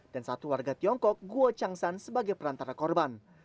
dan satu warga tiongkok guo chang san sebagai perantara korban